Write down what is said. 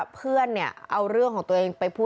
เพื่อนเนี่ยเอาเรื่องของตัวเองไปพูด